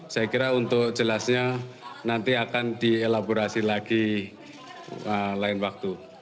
saya kira untuk jelasnya nanti akan dielaborasi lagi lain waktu